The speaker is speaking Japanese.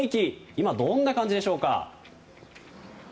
今、どんな感じでしょうか？